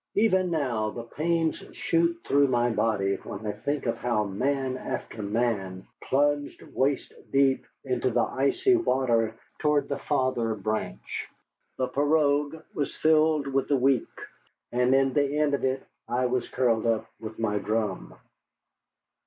Even now the pains shoot through my body when I think of how man after man plunged waist deep into the icy water toward the farther branch. The pirogue was filled with the weak, and in the end of it I was curled up with my drum.